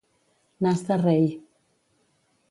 Nas de rei.